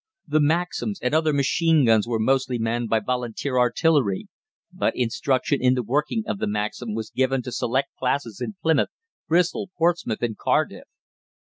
The Maxims and other machine guns were mostly manned by Volunteer artillery; but instruction in the working of the Maxim was given to select classes in Plymouth, Bristol, Portsmouth, and Cardiff.